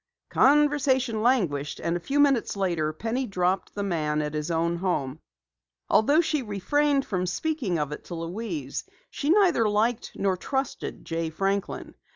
Conversation languished, and a few minutes later, Penny dropped the man at his own home. Although she refrained from speaking of it to Louise, she neither liked nor trusted Jay Franklin.